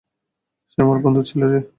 সে আমার বন্ধুর ছেলে, রে।